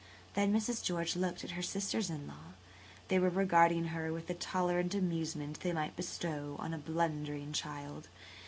Then Mrs. George looked at her sisters in law. They were regarding her with the tolerant amusement they might bestow on a blundering child.